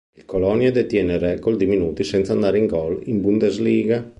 Il Colonia detiene il record di minuti senza andare in gol in Bundesliga.